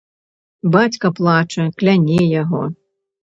Бацька плача, кляне яго.